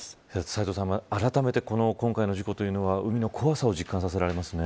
斎藤さん、あらためて今回の事故というのは海の怖さを実感させられますね。